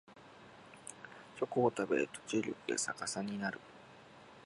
チョコを食べると重力が逆さになる